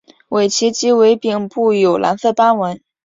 尾鳍及尾柄部有蓝色斑纹。